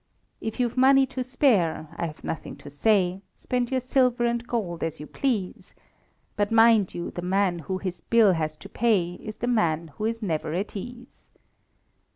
If you've money to spare, I have nothing to say Spend your silver and gold as you please; But mind you, the man who his bill has to pay Is the man who is never at ease.